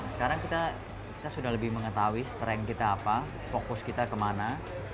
sekarang kita sudah lebih mengetahui strength kita apa fokus kita kemana